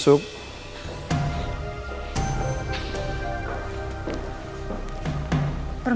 supaya terlihat jelas